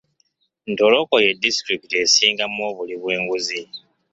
Ntoroko ye disitulikiti esingamu obuli bw'enguzi.